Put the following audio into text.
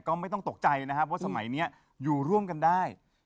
ก็ไม่ต้องตกใจนะครับเพราะสมัยนี้อยู่ร่วมกันได้